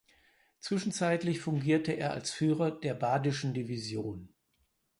Zwischenzeitlich fungierte er als Führer der badischen Division.